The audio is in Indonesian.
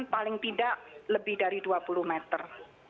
paling tidak lebih dari dua puluh meter